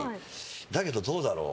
だけど、どうだろう。